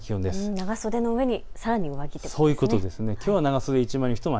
長袖の上にさらに上着ということですね。